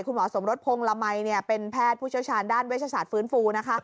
คุณหมอสมรสพงล์ลามัยเป็นแพทย์ผู้เชื้อชาญด้านเวชศาสตร์ฟื้นฟู